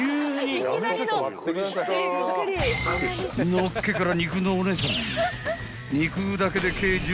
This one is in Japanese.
［のっけから肉のお姉さん］